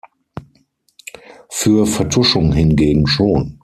Für Vertuschung hingegen schon.